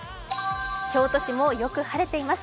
京都市もよく晴れています。